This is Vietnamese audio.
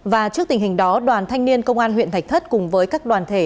và trước tình hình đó đoàn thanh niên công an huyện thạch thất cùng với các đoàn thể